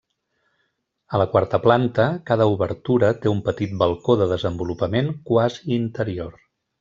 A la quarta planta, cada obertura té un petit balcó de desenvolupament quasi interior.